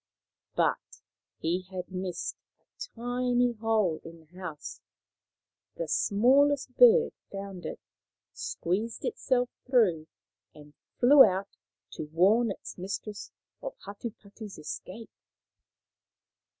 But he had missed a tiny hole in the house. The smallest bird found it, squeezed itself through, and flew out to warn its mistress of Hatupatu' s escape.